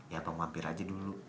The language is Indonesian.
ya abang mampir aja dulu